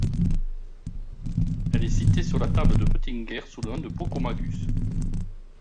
Elle est citée sur la table de Peutinger sous le nom de Breucomagus.